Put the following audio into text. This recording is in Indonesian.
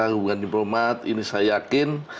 hubungan diplomat ini saya yakin